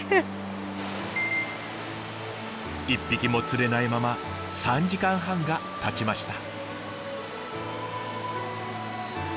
一匹も釣れないまま３時間半がたちました。